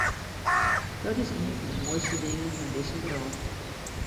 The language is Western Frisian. Dat is ien fan de moaiste dingen fan dizze wrâld.